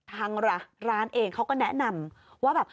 ทางร้านเองเขาก็แนะนำว่าแบบ